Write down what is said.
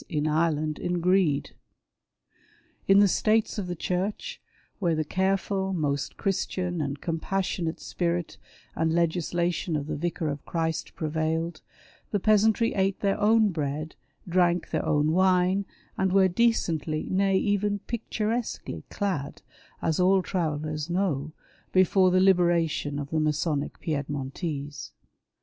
115 in Ireland, in greed, In the States of the Church, where the careful, most Christian, and compassionate spirit and legislation of the Vicar of Christ prevailed, the peasantry ate their own bread, drank their own wine, and were decently, nay even picturesquely clad, as all travellers know, before the " liberation " of the Masonic Piedmontese.